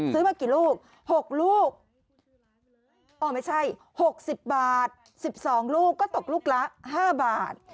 ซื้อมากี่ลูก๖ลูกอ๋อไม่ใช่๖๐บาท๑๒ลูกก็ตกลูกละ๕บาท